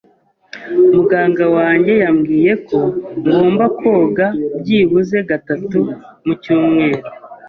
Muganga wanjye yambwiye ko ngomba koga byibuze gatatu mu cyumweru.